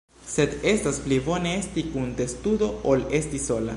Sed estas pli bone esti kun testudo ol esti sola.